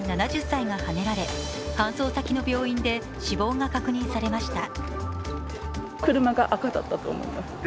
７０歳がはねられ搬送先の病院で死亡が確認されました。